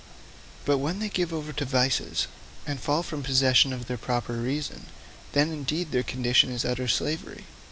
But when they are given over to vices, and fall from the possession of their proper reason, then indeed their condition is utter slavery.